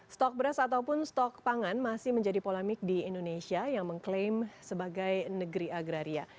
stok beras ataupun stok pangan masih menjadi polemik di indonesia yang mengklaim sebagai negeri agraria